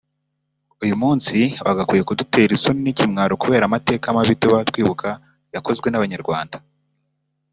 “Uyu munsi wagakwiye kudutera isoni n’ikimwaro kubera amateka mabi tuba twibuka yakozwe n’Abanyarwanda